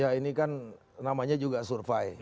ya ini kan namanya juga survei